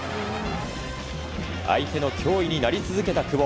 相手の脅威になり続けた久保。